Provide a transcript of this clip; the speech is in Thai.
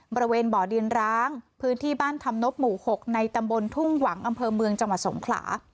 บริเวณบ่อดินร้างพื้นที่บ้านธรรมนบหมู่๖ในตำบลทุ่งหวังอำเภอเมืองจังหวัดสงขลา